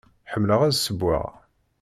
Ḥemmleɣ ad ssewweɣ.